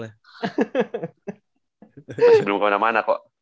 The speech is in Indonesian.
masih belum kemana mana kok